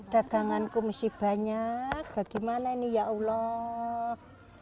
daganganku mesti banyak bagaimana ini ya allah